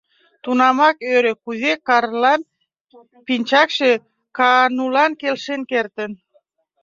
Тунамак ӧрӧ, кузе Карлан пинчакше Каанулан келшен кертын.